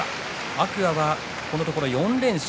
天空海が、このところ４連勝。